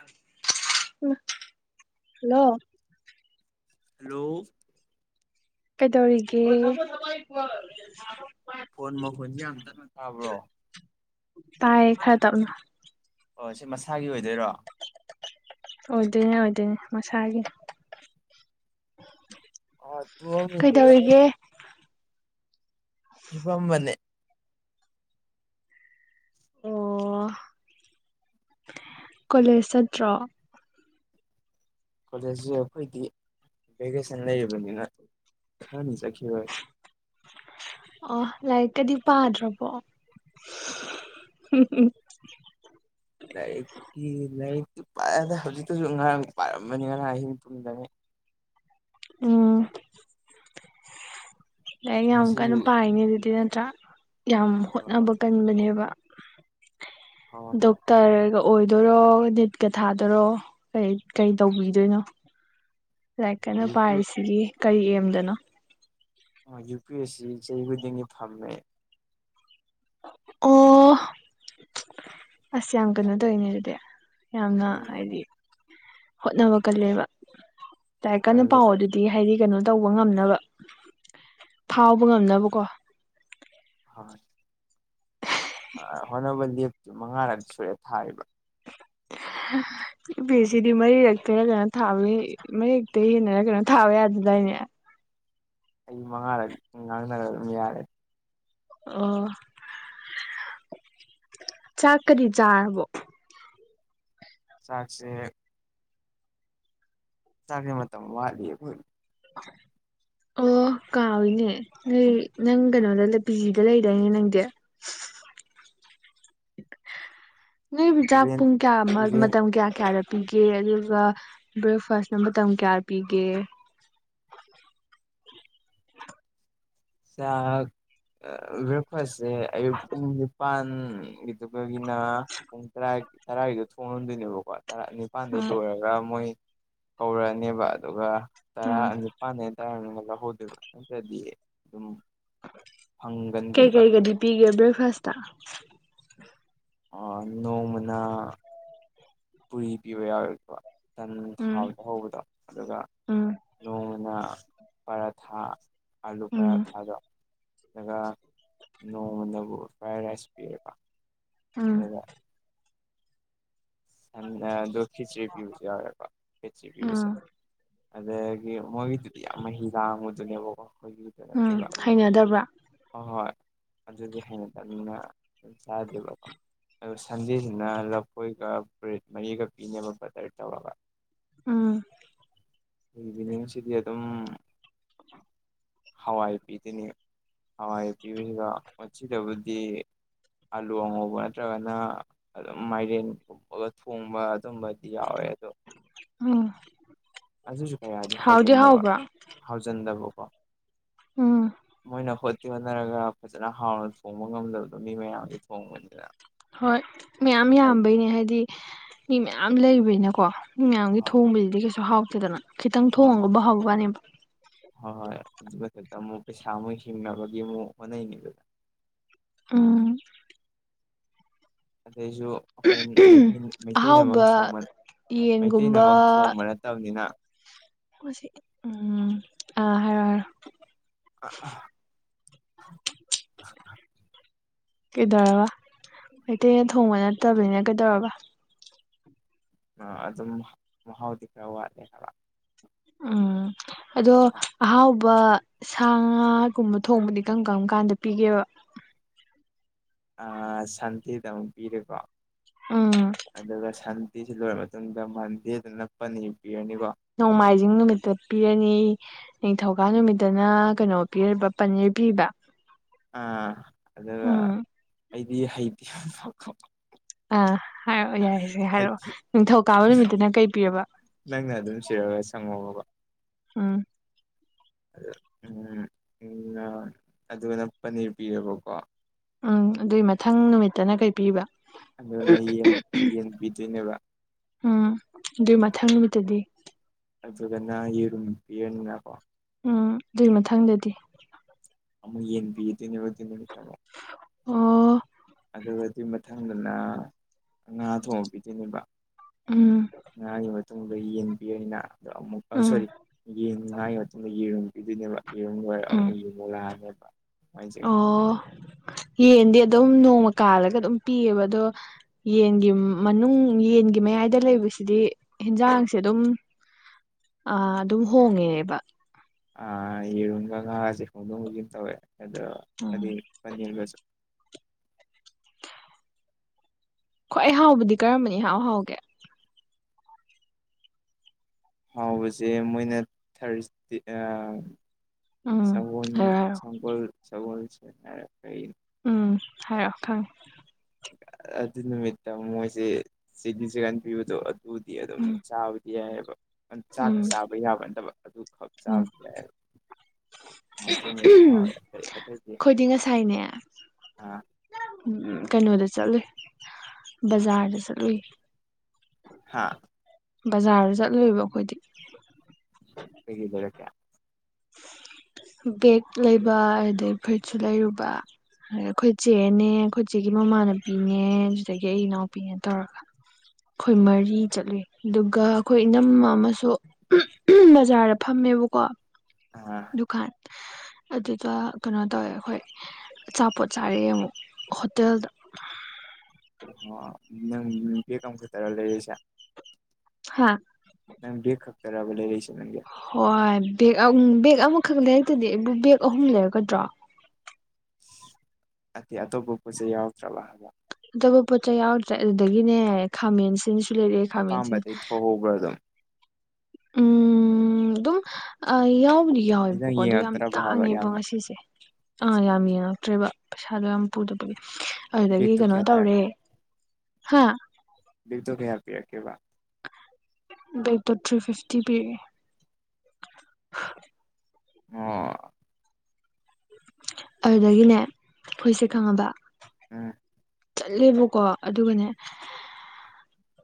[unintelligible] ꯏꯃꯥ hello hello ꯀꯩꯗꯧꯔꯤꯒꯦ [unintelligible] phone ꯃꯈꯣꯟꯖꯦ ꯌꯥꯝ ꯇꯞꯅ ꯇꯥꯕ꯭ꯔꯣ ꯇꯥꯏ ꯈꯔ ꯇꯞꯅ ꯑꯣ ꯁꯤ ꯃꯁꯥꯒꯤ ꯑꯣꯏꯗꯣꯏꯔꯣ ꯑꯣꯏꯗꯣꯏꯅꯦ ꯑꯣꯏꯗꯣꯏꯅꯦ ꯃꯁꯥꯒꯤ ꯑ ꯇꯨꯝꯃꯝꯃꯤꯅꯤꯗ ꯀꯩꯗꯧꯔꯤꯒꯦ ꯍꯤꯄꯝꯕꯅꯦ ꯑꯣ ꯀꯣꯂꯦꯖ ꯆꯠꯇ꯭ꯔꯣ ꯀꯣꯂꯦꯖꯁꯦ ꯑꯈꯣꯏꯗꯤ ꯚꯦꯀꯦꯁꯟ ꯂꯩꯔꯤꯕꯅꯤꯅ ꯈꯔꯅꯤ ꯆꯠꯈꯤꯔꯣꯏ ꯑꯣ ꯂꯥꯏꯔꯤꯛꯀꯗꯤ ꯄꯥꯗ꯭ꯔꯕꯣ [unintelligible] ꯂꯥꯏꯔꯤꯛꯀꯤ ꯂꯥꯏꯔꯤꯛꯇꯤ ꯄꯥꯢꯌꯦꯗ ꯍꯧꯖꯤꯛꯇꯁꯨ ꯉꯔꯥꯡ ꯄꯥꯔꯝꯕꯅꯦ ꯉꯥꯔꯥꯡ ꯑꯍꯤꯡ ꯇꯨꯝꯗꯉꯩ ꯑꯣ ꯂꯥꯢꯔꯤꯛ ꯌꯥꯝ ꯀꯟꯅ ꯉꯁꯤꯒꯤ ꯄꯥꯏꯅꯦ ꯑꯗꯨꯗꯤ ꯅꯠꯇ꯭ꯔꯥ ꯌꯥꯝ ꯍꯣꯏ ꯍꯣꯠꯅꯕ ꯀꯟꯕꯅꯦꯕ ꯍꯣꯏ ꯗꯣꯛ ꯍꯣꯏ ꯇꯔꯒ ꯑꯣꯏꯗꯣꯏꯔꯣ ꯅꯤꯠꯀ ꯊꯥꯗꯣꯔꯣ ꯀꯩ ꯀꯩ ꯇꯧꯕꯤꯗꯣꯏꯅꯣ [inaudible] ꯂꯥꯏꯔꯤꯛ ꯀꯟꯅ ꯌꯨ ꯄꯤ ꯄꯥꯏꯔꯤꯁꯤꯒꯤ ꯀꯔꯤ ꯑꯦꯝꯗꯅꯣ ꯌꯨ ꯄꯤ ꯑꯦꯁ ꯁꯤ ꯆꯍꯤ ꯈꯨꯗꯤꯡꯒꯤ ꯐꯝꯃꯦ ꯑꯣ ꯑꯁ ꯌꯥꯝ ꯀꯩꯅꯣ ꯇꯧꯋꯤꯅꯦ ꯑꯗꯨꯗꯤ ꯌꯥꯝꯅ ꯎꯝ ꯍꯥꯏꯗꯤ ꯍꯣꯠꯅꯕ ꯀꯜꯂꯦꯕ ꯂꯥꯢꯔꯤꯛ ꯂꯩ ꯀꯟꯅ ꯄꯥꯎꯋꯣ ꯂꯩꯀꯥꯏ ꯑꯗꯨ ꯗꯤ ꯍꯥꯏꯗꯤ ꯀꯩꯅꯣ ꯇꯧꯕ ꯉꯝꯅꯕ ꯐꯥꯎꯕ ꯉꯝꯅꯕꯀꯣ ꯍꯣ ꯍꯣꯏ ꯑꯥ ꯍꯣꯠꯅꯕ ꯂꯦꯞꯇꯦ ꯃꯉꯥꯔꯛ ꯁꯨꯔꯦ ꯊꯥꯏꯔꯤꯕ ꯌꯨ ꯄꯤ ꯑꯦ ꯁꯤ ꯗꯤ ꯃꯔꯤꯔꯛꯇꯩꯔ ꯀꯩꯅꯣ ꯊꯥꯕ ꯃꯔꯤꯔꯛꯇꯩ ꯍꯦꯟꯅꯔ ꯀꯩꯅꯣ ꯊꯥꯕ ꯌꯥꯗꯗꯥꯏꯅꯦ ꯑꯩ ꯃꯉꯥꯔꯛ ꯉꯥꯡꯅꯔ ꯑꯗꯨꯝ ꯌꯥꯔꯦ ꯑꯣ ꯆꯥꯛꯀꯗꯤ ꯆꯥꯔꯕꯣ ꯆꯥꯛꯁꯦ ꯆꯥꯛꯀꯤ ꯃꯇꯝ ꯋꯥꯠꯂꯤ ꯑꯈꯣꯢ [inaudible] ꯑꯣ ꯀꯥꯎꯏꯅꯦ ꯅꯣꯏ ꯅꯪ ꯀꯩꯅꯣꯗ ꯄꯤꯖꯤꯗ ꯂꯩꯗꯥꯏꯅꯦ ꯅꯪꯗꯤ ꯅꯣꯏꯕꯨ ꯆꯥꯛ ꯔꯦꯟ ꯄꯨꯡ ꯀꯌꯥ ꯔꯦꯟ ꯃꯇꯝ ꯀꯌꯥ ꯀꯌꯥꯗ ꯄꯤꯒꯦ ꯑꯗꯨꯒ ꯕ꯭ꯔꯦꯛꯐꯥꯁꯅ ꯃꯇꯝ ꯀꯌꯥ ꯄꯤꯒꯦ ꯆꯥꯛ ꯕ꯭ꯔꯦꯛ ꯐꯥꯁꯁꯦ ꯑꯌꯨꯛ ꯄꯨꯡ ꯅꯤꯄꯥꯟ ꯗꯣꯛꯇꯔꯒꯤꯅ ꯄꯨꯡ ꯇꯔꯥ ꯇꯔꯥꯒꯤꯗ ꯊꯣꯡ ꯂꯣꯟꯗꯣꯏꯅꯦꯕꯀꯣ ꯇꯔꯥꯅꯤ ꯄꯥꯟꯗꯩ ꯎꯝ ꯂꯣꯏꯔꯒ ꯃꯣꯏ ꯀꯧꯔꯛꯑꯅꯦꯕ ꯑꯗꯨꯒ ꯇꯔꯥ ꯎꯝ ꯑꯅꯤ ꯅꯤꯄꯥꯟꯗꯩꯅ ꯇꯥꯔꯥꯢ ꯃꯅꯨꯡꯗ ꯂꯧꯍꯧꯗꯣꯏꯕ ꯅꯠꯇꯗꯤ ꯑꯗꯨꯝ ꯀꯩ ꯐꯪꯒꯟꯗꯦꯕ ꯀꯩ ꯒꯗꯤ ꯄꯤꯒꯦ ꯕ꯭ꯔꯦꯛꯐꯥꯁꯇ ꯑꯥ ꯅꯣꯡꯃꯅꯥ ꯄꯨꯔꯤ ꯄꯤꯌꯨ ꯌꯥꯎꯋꯦꯀꯣ ꯇꯟ ꯎꯝ ꯊꯥꯎꯗ ꯍꯧꯕꯗꯣ ꯑꯗꯨꯒ ꯎꯝ ꯅꯣꯡꯃꯅ ꯄꯔꯥꯊꯥ ꯑꯂꯨ ꯎꯝ ꯄꯔꯥꯊꯥꯗꯣ ꯑꯗꯨꯒ ꯅꯣꯡꯃꯅꯕꯨ ꯐ꯭ꯔꯥꯏ ꯔꯥꯏꯁ ꯄꯤꯔꯦꯕ ꯎꯝ ꯈꯪꯗꯦ ꯑꯗꯨ ꯈꯦꯆ꯭ꯔꯤ ꯄꯤꯕꯁꯨ ꯌꯥꯎꯔꯦꯀꯣ ꯈꯦꯆ꯭ꯔꯤ ꯄꯤꯕꯁꯨ ꯎꯝ ꯑꯗꯒꯤ ꯃꯣꯏꯒꯤꯗꯨꯗꯤ ꯌꯥꯝ ꯃꯍꯤ ꯂꯥꯡꯕꯗꯨꯅꯦꯕꯀꯣ ꯑꯩꯈꯣꯏꯒꯤꯗꯨ ꯎꯝ ꯅꯠꯇꯦꯕ ꯍꯩꯅꯗꯕ꯭ꯔꯥ ꯍꯣ ꯍꯣꯏ ꯑꯗꯨꯗꯤ ꯍꯦꯟꯅ ꯇꯥꯃꯤꯅ ꯆꯥꯗꯣꯢꯕ ꯑꯗꯨ ꯁꯟꯗꯦꯁꯤꯅ ꯂ ꯈꯣꯏꯒ ꯕ꯭ꯔꯦꯠ ꯃꯔꯤꯒ ꯄꯤꯅꯦꯕ ꯕꯇꯔ ꯇꯧꯔꯒ ꯎꯝ ꯏꯚꯤꯅꯤꯡꯁꯤꯗꯤ ꯑꯗꯨꯝ ꯍꯋꯥꯏ ꯄꯤꯗꯣꯏꯅꯦ ꯍꯋꯥꯏ ꯄꯤꯕꯁꯤꯗ ꯃꯆꯤꯗꯕꯨꯗꯤ ꯑꯂꯨ ꯑꯉꯧꯕ ꯅꯠꯇ꯭ꯔꯒꯅ ꯑꯗꯨꯝ ꯃꯥꯏꯔꯦꯟ ꯨ ꯊꯣꯡꯕ ꯑꯗꯨꯝꯕꯗꯤ ꯌꯥꯎꯋꯦ ꯑꯗꯣ ꯎꯝ ꯑꯗꯨꯁꯨ ꯀꯌꯥꯗꯤ ꯍꯥꯎꯗꯤ ꯍꯥꯎꯖꯟꯗꯕ ꯍꯥꯎꯕ꯭ꯔꯣ ꯍꯥꯎꯖꯟꯗꯕꯀꯣ ꯑ ꯃꯣꯏꯅ ꯍꯣꯠꯇꯤ ꯍꯣꯠꯅꯔꯒ ꯐꯖꯅ ꯍꯥꯎꯅ ꯊꯣꯡꯕ ꯉꯝꯗꯕꯗꯣ ꯃꯤ ꯃꯌꯥꯝꯒꯤ ꯊꯣꯡꯕꯅꯤꯅ ꯍꯣꯏ ꯃꯌꯥꯝ ꯄꯩꯁꯥ ꯌꯥꯝꯕꯩꯅꯦ ꯍꯥꯏꯗꯤ ꯃꯤ ꯃꯌꯥꯝ ꯂꯩꯕꯅꯤꯅꯦꯀꯣ ꯃꯤ ꯃꯌꯥꯝꯒꯤ ꯍꯣꯏ ꯊꯣꯡꯕꯁꯤꯗꯤ ꯀꯩꯁꯨ ꯍꯥꯎꯇꯦꯗꯅ ꯈꯤꯇꯪ ꯍꯣꯏ ꯊꯣꯡꯉꯒꯨꯝꯕ ꯍꯥꯎꯕꯋꯥꯅꯦꯕ ꯍꯣꯏ ꯍꯣꯏ ꯑꯗꯨꯒꯤ ꯃꯊꯛꯇ ꯑꯃꯨꯛ ꯄꯩꯁꯥ ꯑꯃꯨꯛ ꯍꯤꯡꯅꯕꯒꯤ ꯑꯃꯨꯛ ꯍꯣꯠꯅꯩꯅꯦ ꯎꯝ ꯑꯗꯩꯁꯨ ꯑꯈꯣꯏ ꯃꯩꯇꯩ ꯃꯩꯇꯩꯅꯃꯛ ꯑꯍꯥꯎꯕ ꯊꯣꯝꯃꯠ ꯌꯦꯟꯒꯨꯝꯕ ꯃꯩꯇꯩꯅꯃꯛ ꯊꯣꯡꯕꯅꯠ ꯇꯝꯅꯤꯅ ꯑꯈꯣꯢꯁꯤ ꯎꯝ ꯑꯥ ꯍꯥꯏꯔꯣ ꯍꯥꯢꯔꯣ ꯑꯥ ꯑ ꯀꯩꯗꯧꯔꯕ ꯃꯩꯇꯩꯅ ꯊꯣꯡꯕ ꯅꯠꯇꯕꯅꯤꯅ ꯀꯩꯗꯧꯔꯕ ꯑꯥ ꯑꯗꯨꯝ ꯃꯍꯥꯎꯗꯤ ꯈꯔ ꯋꯥꯠꯂꯦ ꯍꯥꯏꯕ ꯎꯝ ꯑꯗꯣ ꯑꯍꯥꯎꯕ ꯁꯥ ꯉꯥꯒꯨꯝꯕ ꯊꯣꯡꯕꯗꯤ ꯀꯝ ꯀꯝ ꯀꯥꯟꯗ ꯄꯤꯒꯦꯕ ꯁꯟꯇꯦꯗ ꯑꯃꯨꯛ ꯄꯤꯔꯦꯀꯣ ꯎꯝ ꯑꯗꯨꯒ ꯁꯟꯗꯦꯁꯤ ꯂꯣꯏꯔ ꯃꯇꯨꯡꯗ ꯃꯟꯗꯦꯗꯅ ꯄꯅꯤꯔ ꯄꯤꯔꯅꯤꯀꯣ ꯅꯣꯡꯃꯥꯏꯖꯤꯡ ꯅꯨꯃꯤꯠꯇ ꯄꯤꯔꯅꯤ ꯅꯤꯡꯊꯧꯀꯥ ꯅꯨꯃꯤꯠꯇꯅ ꯀꯩꯅꯣ ꯄꯤꯔꯤꯕ ꯄꯅꯤꯔ ꯄꯤꯕ ꯑꯥ ꯑꯗꯨꯒ ꯎꯝ ꯑꯩꯗꯤ ꯍꯩꯇꯦꯐꯀꯣ ꯑꯥ ꯍꯥꯏꯔꯛꯑꯣ ꯌꯥꯔꯦꯁꯦ ꯍꯥꯏꯔꯛꯑꯣ ꯅꯤꯡꯊꯧꯀꯥꯕ ꯅꯨꯃꯤꯠꯇꯅ ꯀꯩ ꯄꯤꯔꯕ ꯅꯪꯅ ꯑꯗꯨꯝ ꯁꯤꯔꯒ ꯁꯪꯉꯣꯕ ꯑꯝ ꯑ ꯎꯝ ꯎꯝ ꯑꯗꯨꯒꯅ ꯄꯅꯤꯔ ꯄꯤꯔꯕꯀꯣ ꯎꯝ ꯑꯗꯨꯏ ꯃꯊꯪ ꯅꯨꯃꯤꯠꯇꯅ ꯀꯩ ꯄꯤꯕ ꯑꯗꯨꯅ ꯌꯦꯟ ꯌꯦꯟ ꯄꯤꯗꯣꯏꯅꯦꯕ ꯎꯝ ꯑꯗꯨꯏ ꯃꯊꯪ ꯅꯨꯃꯤꯠꯇꯗꯤ ꯑꯗꯨꯗꯅ ꯌꯦꯔꯨꯝ ꯄꯤꯔꯅꯤꯅꯀꯣ ꯎꯝ ꯑꯗꯨꯏ ꯃꯊꯪꯗꯗꯤ ꯑꯃꯨꯛ ꯌꯦꯟ ꯄꯤꯗꯣꯢꯅꯦꯕ ꯑꯗꯨꯏ ꯅꯨꯃꯤꯠꯇ ꯑꯃꯨꯛ ꯑꯣ ꯑꯗꯨꯒ ꯑꯗꯨꯢ ꯃꯊꯪꯗꯅ ꯉꯥ ꯊꯣꯡ ꯄꯤꯗꯣꯏꯅꯦꯕ ꯎꯝ ꯉꯔꯥꯡꯒꯤ ꯃꯇꯨꯡꯗ ꯌꯦꯟ ꯄꯤꯔꯅꯤꯅ ꯑꯗꯣ ꯑꯃꯨꯛꯀ ꯎꯝ ꯁꯣꯔꯤ ꯌꯦꯟ ꯉꯥꯒꯤ ꯃꯇꯨꯡꯗ ꯌꯦꯔꯨꯝ ꯄꯗꯣꯏꯅꯦꯕ ꯌꯦꯔꯨꯝ ꯂꯣꯏꯔꯒ ꯎꯝ ꯑꯃꯨꯛ [unintelligible] ꯂꯥꯛꯑꯅꯦꯕ [unintelligible] ꯑꯣ ꯌꯦꯟꯗꯤ ꯑꯗꯨꯝ ꯅꯣꯡꯃ ꯀꯥꯜꯂꯒ ꯑꯗꯨꯝ ꯄꯤꯌꯦꯕ ꯑꯗꯣ ꯌꯦꯟꯒꯤ ꯃꯅꯨꯡ ꯌꯦꯟꯒꯤ ꯃꯌꯥꯏꯗ ꯂꯩꯕꯁꯤꯗꯤ ꯍꯦꯟꯖꯥꯡꯁꯦ ꯑꯗꯨꯝ ꯑ ꯑꯗꯨꯝ ꯍꯣꯡꯉꯦꯕ ꯑ ꯌꯦꯔꯨꯝꯒ ꯉꯥꯒꯖꯦ ꯍꯣꯡꯗꯣꯡ ꯍꯣꯡꯖꯤꯟ ꯇꯧꯋꯦ ꯑꯗꯣ ꯎꯝ ꯄꯅꯥꯔ ꯄꯅꯤꯔꯒꯁꯨ ꯈ꯭ꯋꯥꯢ ꯍꯥꯎꯕꯗꯤ ꯀꯔꯝꯕꯅ ꯏꯍꯥꯎ ꯍꯥꯎꯒꯦ ꯍꯥꯎꯕꯁꯦ ꯃꯣꯏꯅ ꯊꯔꯁ ꯗꯤ ꯑ ꯎꯝ ꯁꯒꯣꯟ ꯍꯥꯏꯔꯣ ꯍꯥꯏꯔꯣ ꯁꯒꯣꯜ ꯁꯒꯣꯜꯁꯦꯟ ꯍꯥꯢꯔ ꯀꯩ ꯎꯝ ꯍꯥꯏꯔꯛꯑꯣ ꯈꯪꯉꯦ ꯑꯗꯨ ꯅꯨꯃꯤꯠꯇ ꯃꯣꯏꯁꯦ [unintelligible] ꯄꯤꯕꯗꯣ ꯑꯗꯨꯗꯤ ꯑꯗꯨꯝ ꯎꯝ ꯆꯥꯕ ꯌꯥꯏꯌꯦꯕ ꯆꯥꯛꯀ ꯎꯝ ꯆꯥꯕ ꯌꯥꯕ ꯅꯠꯇꯕ ꯑꯗꯨꯈꯛ ꯎꯝ ꯆꯥꯕꯗꯤ ꯌꯥꯏꯌꯦꯕ ꯑꯗꯨꯃꯗꯤ ꯍꯥꯎꯔꯦ ꯑꯇꯩ ꯑꯇꯩꯗꯤ ꯅꯦ ꯑꯥ ꯎꯝ ꯀꯩꯅꯣꯗ ꯆꯠꯂꯨꯏ ꯕꯖꯥꯔꯗ ꯆꯠꯂꯨꯏ ꯍꯥꯥ ꯕꯖꯥꯔꯖꯨ ꯆꯠꯂꯨꯏꯕ ꯑꯩꯈꯣꯏꯗꯤ ꯀꯩꯀꯩ ꯂꯩꯔꯛꯀꯦ ꯕꯦꯛ ꯂꯩꯕ ꯑꯗꯨꯗꯩ ꯐꯨꯔꯤꯠꯁꯨ ꯂꯩꯔꯨꯕ ꯑꯥ ꯑꯩꯈꯣꯏ ꯆꯦꯅꯦ ꯑꯩꯈꯣꯏ ꯆꯦꯒꯤ ꯃꯃꯥꯟꯅꯕꯤꯅꯦ ꯑꯗꯨꯗꯒꯤ ꯑꯩ ꯏꯅꯥꯎꯄꯤꯅꯦ ꯇꯧꯔꯒ ꯈꯣꯏ ꯃꯔꯤ ꯆꯠꯂ ꯑꯗꯨꯒ ꯑꯩꯈꯣꯏ ꯏꯅꯝꯃ ꯑꯃꯁꯨ ꯎꯝ ꯍꯝ ꯕꯖꯥꯔꯗ ꯐꯝꯃꯦꯕꯀꯣ ꯑꯥ ꯗꯨꯀꯥꯟ ꯑꯗꯨꯗ ꯀꯩꯅꯣ ꯇꯧꯋꯦ ꯑꯩꯈꯣꯏ ꯑꯆꯥꯄꯣꯠ ꯆꯥꯔꯛꯑꯦ ꯑꯃꯨꯛ ꯍꯣꯇꯦꯜꯗ ꯑꯣ ꯅꯪ ꯕꯦꯛ ꯑꯝꯈꯇꯥꯔꯥ ꯂꯩꯔꯛꯏꯁꯦ ꯍꯥꯥ ꯅꯪ ꯕꯦꯛ ꯈꯛꯇꯕ ꯂꯩꯔꯛꯏꯁꯦ ꯅꯪꯒꯤ ꯍꯣꯏ ꯕꯦꯛ ꯑꯝ ꯕꯦꯛ ꯑꯃꯈꯛ ꯂꯩꯔꯛꯇꯗꯤ ꯑꯩꯕꯨ ꯕꯦꯛ ꯑꯍꯨꯝ ꯂꯩꯔꯛꯀꯗ꯭ꯔꯣ ꯑꯇꯦ ꯑꯇꯣꯞꯄ ꯄꯣꯠꯆꯩ ꯌꯥꯎꯔꯛꯇ꯭ꯔꯕꯥ ꯍꯥꯏꯕ ꯑꯇꯣꯞꯄ ꯄꯣꯠ ꯆꯩ ꯌꯥꯎꯔꯛꯇ꯭ꯔꯦ ꯑꯗꯨꯗꯒꯤꯅꯦ ꯈꯥꯃꯦꯟꯁꯤꯟꯁꯨ ꯂꯩꯔꯛꯑꯦ ꯈꯥꯃꯦꯟꯁꯤ ꯄꯧꯕ꯭ꯔꯥ ꯑꯗꯨꯝ ꯎꯝ ꯑꯗꯨꯝ ꯑꯥ ꯌꯥꯎꯕꯗꯤ ꯅꯪ ꯌꯥꯎꯋꯦꯕꯀꯣ ꯑꯗꯨ ꯌꯥꯝ ꯌꯦꯡꯉꯛꯇ꯭ꯔꯕ ꯍꯥꯏꯕ ꯇꯥꯡꯉꯦꯕ ꯌꯥꯝꯅ ꯉꯁꯤꯁꯦ ꯑꯥ ꯌꯥꯝ ꯌꯦꯡꯉꯛꯇ꯭ꯔꯦꯕ ꯄꯩꯁꯥꯗꯣ ꯌꯥꯝ ꯄꯨꯗꯕꯒꯤ ꯑꯗꯒꯤ ꯕꯦꯛꯇꯣ ꯀꯩꯅꯣ ꯀꯌꯥ ꯇꯧꯔꯦ ꯇꯥꯔꯛꯀꯦ ꯍꯥ ꯕꯦꯛꯇꯣ ꯀꯌꯥ ꯄꯤꯔꯛꯀꯦꯕ ꯕꯦꯛꯇꯣ ꯊ꯭ꯔꯤ ꯐꯤꯐꯇꯤ ꯄꯤꯔꯛꯑꯦ ꯑꯣ ꯑꯗꯨꯗꯒꯤꯅꯦ ꯐꯨꯔꯤꯠꯁꯦ ꯈꯪꯉꯕ ꯎꯝ ꯆꯠꯂꯦꯕꯀꯣ ꯑꯗꯨꯒꯅꯦ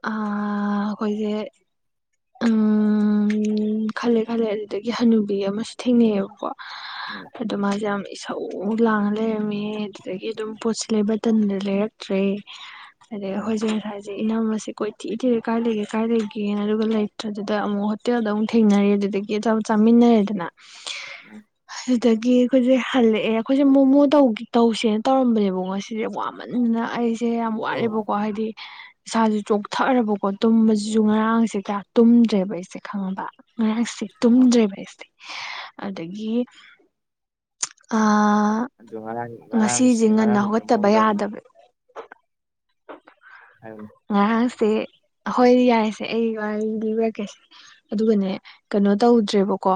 ꯑꯥ ꯑꯩꯈꯣꯏꯖꯦ ꯎꯝ ꯈꯜꯂꯦ ꯈꯜꯂꯦ ꯑꯗꯨꯗꯒꯤ ꯍꯟꯅꯨꯕꯤ ꯑꯃꯁꯨ ꯊꯦꯡꯅꯩꯌꯦꯕꯀꯣ ꯎꯝ ꯑꯗꯣ ꯃꯥꯖꯦ ꯌꯥꯝ ꯏꯁꯧ ꯂꯥꯡꯉ ꯂꯩꯔꯝꯃꯦ ꯑꯗꯨꯗꯒꯤ ꯑꯗꯨꯝ ꯄꯣꯠꯁꯦ ꯂꯩꯕ ꯇꯟꯗꯅ ꯂꯩꯔꯛꯇ꯭ꯔꯦ [inaudible] ꯑꯗꯒꯤ ꯑꯩꯈꯣꯏꯖꯦ ꯉꯁꯥꯏꯖꯦ ꯏꯅꯝꯃꯖꯦ ꯀꯣꯏꯊꯤ ꯊꯤꯔꯦ ꯀꯥꯏ ꯂꯩꯒꯦ ꯀꯥꯏ ꯂꯩꯒꯦꯅ ꯑꯗꯨꯒ ꯂꯩ ꯇꯨꯗꯨꯗ ꯑꯃꯨꯛ ꯍꯣꯇꯦꯜꯗ ꯑꯃꯨꯛ ꯊꯦꯡꯅꯔꯦ ꯑꯗꯨꯗꯒꯤ ꯑꯆꯥꯄꯣꯠ ꯆꯥꯃꯤꯟꯅꯔꯦꯗꯅ ꯎꯝ ꯑꯗꯒꯤ ꯑꯩꯈꯣꯏꯖꯦ ꯍꯜꯂꯛꯑꯦ ꯑꯩꯈꯣꯏꯁꯦ ꯃꯣꯃꯣ ꯇꯧꯒꯦ ꯇꯧꯁꯦꯅ ꯇꯧꯔꯝꯕꯅꯦꯕ ꯉꯁꯤ ꯁꯦ ꯋꯥꯃꯟꯗꯅ ꯑꯩ ꯁꯦ ꯌꯥꯝ ꯑꯣ ꯋꯥꯔꯦꯕꯀꯣ ꯍꯥꯏꯗꯤ ꯏꯁꯥꯖꯨ ꯆꯣꯛꯊꯔꯕꯀꯣ ꯇꯨꯝꯕꯖꯤꯖꯨ ꯎꯝ ꯉꯔꯥꯡꯖꯦ ꯀꯌꯥ ꯇꯨꯝꯗ꯭ꯔꯦꯕ ꯑꯩꯁꯦ ꯈꯪꯉꯕ ꯉꯔꯥꯡꯁꯦ ꯑꯥ ꯇꯨꯝꯗ꯭ꯔꯦꯕ ꯑꯩꯁꯦ ꯑꯗꯒꯤ ꯑꯥ ꯑꯗꯨ ꯉꯔꯥꯡ ꯉꯁꯤꯖꯦ ꯉꯔꯥꯡꯁꯤ ꯉꯟꯅ ꯉꯔꯥꯡꯗꯤ ꯍꯧꯒꯠꯇꯕ ꯇꯨꯝꯍꯧꯗ꯭ꯔꯕꯅꯤ ꯌꯥꯗꯕ ꯍꯥꯏꯌꯨꯅꯦ ꯉꯔꯥꯡꯁꯦ ꯍꯣꯏ ꯌꯥꯔꯦꯁꯦ ꯑꯩ ꯋꯥꯔꯤ ꯂꯤꯕꯤꯔꯛꯀꯦꯁꯦ ꯑꯗꯨꯒꯅꯦ ꯀꯅꯣ ꯇꯧꯗ꯭ꯔꯦꯕꯀꯣ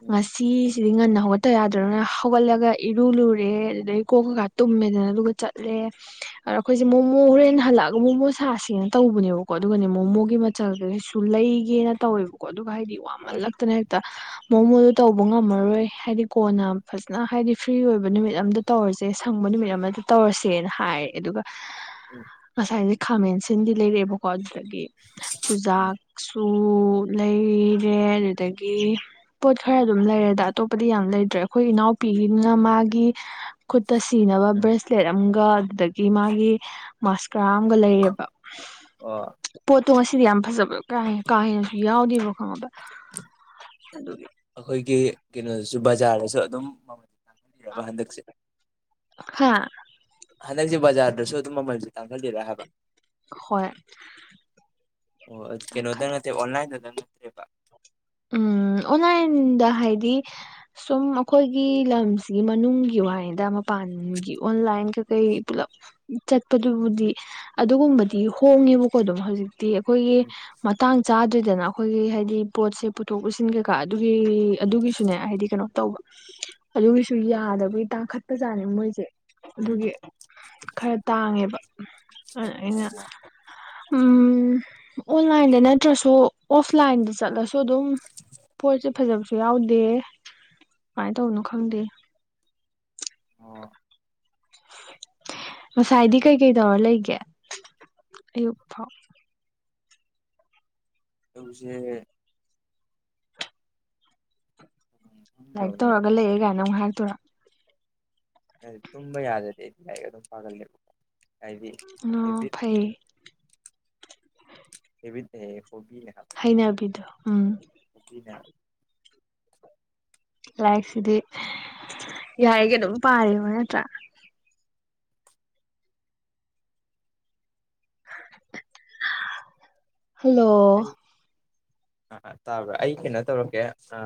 ꯎꯝ ꯉꯁꯤ ꯁꯤꯗꯤ ꯉꯟꯅ ꯍꯧꯒꯠꯇ ꯌꯥꯗ꯭ꯔꯝꯅꯤꯅ ꯍꯧꯒꯠꯂꯒ ꯏꯔꯨ ꯂꯨꯔꯦ ꯑꯗꯨꯗꯒꯤ ꯀꯣꯛ ꯀꯩꯀ ꯇꯨꯝꯃꯦꯗꯅ ꯑꯗꯨꯒ ꯆꯠꯂꯦ ꯑꯗꯣ ꯑꯩꯈꯣꯏꯁꯦ ꯃꯣꯃꯣ ꯍꯣꯔꯦꯟ ꯍꯜꯂꯛꯑꯒ ꯃꯣꯃꯣ ꯁꯥꯁꯦꯅ ꯇꯧꯕꯅꯦꯕꯀꯣ ꯑꯗꯨꯒꯅꯦ ꯃꯣꯃꯣꯒꯤ ꯃꯆꯜꯒꯩ ꯁꯨ ꯂꯩꯒꯦꯅ ꯇꯧꯋꯦꯕꯀꯣ ꯑꯗꯨꯒ ꯍꯥꯏꯗꯤ ꯑꯥ ꯋꯥꯃꯜꯂꯛꯇꯅ ꯍꯦꯛꯇ ꯃꯣꯃꯣꯗꯣ ꯇꯧꯕ ꯉꯝꯃꯔꯣꯏ ꯍꯥꯏꯗꯤ ꯀꯣꯟꯅ ꯐꯖꯅ ꯍꯥꯏꯗꯤ ꯐ꯭ꯔꯤ ꯑꯣꯏꯕ ꯅꯨꯃꯤꯠ ꯑꯝꯗ ꯇꯧꯔꯁꯦ ꯁꯪꯕ ꯅꯨꯃꯤꯠ ꯑꯃꯗ ꯇꯧꯔꯁꯦꯅ ꯍꯥꯏꯔꯦ ꯑꯗꯨꯒ ꯎꯝ ꯉꯁꯥꯏꯖꯦ ꯈꯥꯃꯦꯟꯁꯤꯟꯕꯤ ꯂꯩꯔꯦꯑꯦꯕꯀꯣ ꯑꯗꯨꯗꯒꯤ ꯎꯝ ꯆꯨꯖꯥꯛ ꯇꯨ ꯂꯩꯔꯦ ꯑꯗꯨꯗꯒꯤ ꯄꯣꯠ ꯈꯔ ꯑꯗꯨꯝ ꯂꯩꯔꯦꯗ ꯑꯇꯣꯞꯄꯗꯤ ꯌꯥꯝ ꯂꯩꯗ꯭ꯔꯦ ꯑꯈꯣꯏ ꯏꯅꯥꯎꯄꯤꯒꯤꯗꯨꯅ ꯃꯥꯒꯤ ꯈꯨꯠꯇ ꯁꯤꯅꯕ ꯎꯝ ꯕ꯭ꯔꯦꯁꯂꯦꯠ ꯑꯝꯒ ꯑꯗꯨꯗꯒꯤ ꯃꯥꯒꯤ ꯃꯁꯀꯔꯥ ꯑꯝꯒ ꯂꯩꯌꯦꯕ ꯑꯣ ꯄꯣꯠꯇꯣ ꯉꯁꯤꯗꯤ ꯌꯥꯝ ꯐꯖꯕ ꯀꯥ ꯀꯥ ꯍꯦꯟꯅꯁꯨ ꯌꯥꯎꯗꯦꯕ ꯈꯪꯉꯕ ꯑꯗꯨꯒꯤ ꯑꯈꯣꯏꯒꯤ ꯀꯩꯅꯣꯗꯁꯨ ꯕꯖꯥꯔꯗꯁꯨ ꯑꯗꯨꯝ ꯃꯃꯜ ꯇꯥꯡꯈꯠꯂꯤꯔꯕ ꯍꯟꯗꯛꯁꯦ ꯍꯥꯥ ꯍꯟꯗꯛꯁꯦ ꯕꯖꯥꯔꯗꯁꯨ ꯑꯗꯨꯝ ꯃꯃꯜꯁꯦ ꯇꯥꯡꯈꯠꯂꯤꯔ ꯍꯥꯏꯕ ꯍꯣꯏ ꯑꯣ ꯀꯩꯅꯗꯪ ꯈꯜꯂꯦ ꯅꯠꯇꯦ ꯑꯣꯟꯂꯥꯏꯟꯗꯗꯪ ꯅꯠꯇꯦꯕ ꯎꯝ ꯑꯣꯟꯂꯥꯏꯟꯗ ꯍꯥꯏꯗꯤ ꯁꯨꯝ ꯑꯈꯣꯏꯒꯤ ꯂꯝꯁꯤꯒꯤ ꯃꯅꯨꯡꯒꯤ ꯋꯥꯅꯤꯗ ꯃ ꯄꯥꯟꯒꯤ ꯑꯣꯟꯂꯥꯏꯟ ꯀꯩꯀꯩ ꯄꯨꯂꯞ ꯆꯠꯄꯗꯨꯕꯨꯗꯤ ꯑꯗꯨꯒꯨꯝꯕꯗꯤ ꯍꯣꯡꯉꯦꯕꯀꯣ ꯑꯗꯨꯝ ꯍꯧꯖꯤꯛꯇꯤ ꯑꯩꯈꯣꯏꯒꯤ ꯎꯝ ꯃ ꯇꯥꯡ ꯆꯥꯗ꯭ꯔꯦꯗꯅ ꯑꯈꯣꯏꯒꯤ ꯍꯥꯏꯗꯤ ꯄꯣꯠꯁꯦ ꯄꯨꯊꯣꯛ ꯄꯨꯁꯤꯟ ꯀꯩꯀꯥ ꯑꯗꯨꯒꯤ ꯎꯝ ꯑꯗꯨꯒꯤꯁꯨꯅꯦ ꯍꯥꯏꯗꯤ ꯀꯩꯅꯣ ꯇꯧꯕ ꯑꯗꯨꯒꯤꯁꯨ ꯌꯥꯗꯕꯒꯤ ꯇꯥꯡꯈꯠꯄꯖꯥꯠꯅꯦ ꯃꯣꯏꯖꯦ ꯎꯝ ꯑꯗꯨꯒꯤ ꯈꯔ ꯇꯥꯡꯉꯦꯕ [unintelligible] ꯑꯩꯅ ꯑꯣ ꯎꯝ ꯑꯣꯟꯂꯥꯏꯟꯗ ꯅꯠꯇ꯭ꯔꯁꯨ ꯑꯣꯐꯂꯥꯏꯟꯗ ꯆꯠꯂ ꯁꯨ ꯗꯨꯝ ꯄꯣꯠꯁꯦ ꯐꯖꯕꯁꯨ ꯌꯥꯎꯗꯦ ꯀꯝꯃꯥꯏ ꯇꯧꯔꯤꯅꯣ ꯈꯪꯗꯦ ꯑꯣ ꯉꯁꯥꯏꯗꯤ ꯀꯩꯀꯩ ꯇꯧꯔ ꯂꯩꯒꯦ ꯑꯌꯨꯛ ꯐꯥꯎ ꯑꯌꯨꯛꯁꯦ ꯂꯥꯏꯔꯤꯛ ꯈꯪꯗꯕꯅ ꯇꯧꯔꯒ ꯂꯩꯔꯦ ꯒꯥꯏꯅ ꯑꯃꯨꯛ ꯍꯥꯏꯔꯛꯇꯣꯏꯔꫭ [unintelligible] ꯇꯨꯝꯕ ꯌꯥꯗꯗꯤ ꯑꯩꯗꯤ ꯂꯥꯏꯔꯤꯛ ꯑꯗꯨꯝ ꯄꯥꯒꯜꯂꯦꯕꯀꯣ ꯍꯥꯏꯗꯤ ꯑꯣ ꯍꯦꯕꯤꯠ ꯐꯩ ꯍꯦꯕꯤꯠ ꯅꯦꯌꯦ ꯍꯣꯕꯤꯅꯦ ꯍꯥꯏꯕ ꯍꯩꯅꯕꯤꯗꯣ ꯎꯝ ꯎꯇꯤꯅ ꯂꯥꯏꯔꯤꯛꯁꯤꯗꯤ ꯌꯥꯔꯤꯒꯩ ꯑꯗꯨꯝ ꯄꯥꯔꯦꯕ ꯅꯠꯇ꯭ꯔ ꯍꯜꯂꯣ ꯑ ꯇꯥꯕ꯭ꯔ ꯑꯩ ꯀꯩꯅꯣ ꯇꯧꯔꯛꯀꯦ ꯑ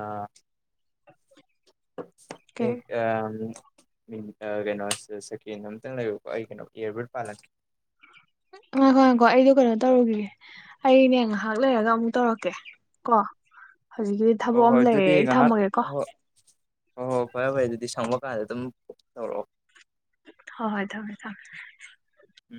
[unintelligible] ꯑ ꯀꯩ ꯑ ꯀꯩꯅꯣ ꯁꯦꯀꯦꯟ ꯑꯝꯇꯪ ꯂꯩꯌꯨꯀꯣ ꯑꯩ ꯀꯩꯅꯣ ꯏꯌꯥꯔꯕꯠ ꯄꯥꯜꯂꯛꯀꯦ ꯉꯥꯏꯈꯣ ꯉꯥꯏꯈꯣ ꯑꯩꯗꯣ ꯀꯩꯅꯣ ꯇꯧꯔꯨꯒꯤꯒꯦ ꯑꯩꯅꯦ ꯉꯍꯥꯛ ꯂꯩꯔꯒ ꯑꯃꯨꯛ ꯇꯧꯔꯛꯀꯦ ꯀꯣ ꯍꯧꯖꯤꯛꯀꯤ ꯍꫭ ꯍꯣꯏ ꯑꯗꯨꯗꯤ ꯉꯍꯥꯛ ꯍꯣ ꯍꯣ ꯍꯣ ꯐꯔꯦ ꯐꯔꯦ ꯑꯗꯨꯗꯤ ꯁꯪꯕ ꯀꯥꯟꯗ ꯑꯗꯨꯝ ꯇꯧꯔꯛꯑꯣ ꯍꫭꯏ ꯍꫭꯏ ꯊꯝꯃꯦ ꯊꯝꯃꯦ ꯎꯝ